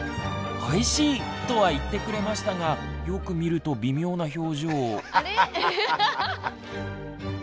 「おいしい」とは言ってくれましたがよく見ると微妙な表情。